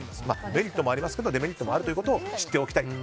メリットもありますがデメリットもあるということを知っておきたいと。